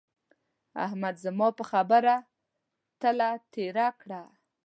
احمد زما پر خبره تله تېره کړه.